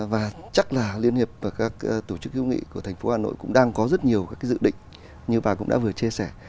và chắc là liên hiệp các tổ chức hữu nghị của thành phố hà nội cũng đang có rất nhiều các dự định như bà cũng đã vừa chia sẻ